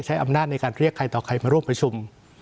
ใช้อำนาจในการเรียกใครต่อใครมาร่วมประชุม